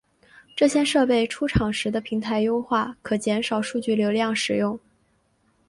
这些设备出厂时的平台优化可减少数据流量使用。